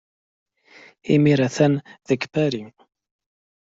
Imir-a atan deg Paris.